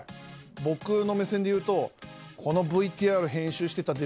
僕の目線で言うとこのＶＴＲ編集してたディレクター